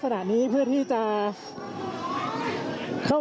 คุณภูริพัฒน์ครับ